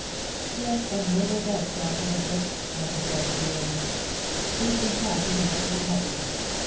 "Yes, the murder's out, Dr. Woodruff," I confessed, wearily. "We've been talking about my husband.